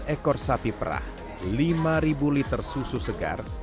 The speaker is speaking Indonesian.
satu dua ratus ekor sapi perah lima liter susu segar